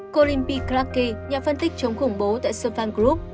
kolimpi kraké nhà phân tích chống khủng bố tại sovang group